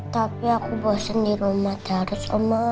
tapi aku bosen dirumah terus oma